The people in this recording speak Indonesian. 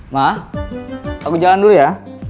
mah aku jalan dulu ya